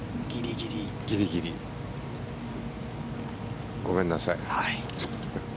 ギリギリ。ごめんなさい。